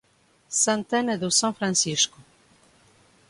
Santana do São Francisco